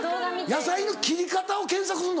野菜の切り方を検索すんの？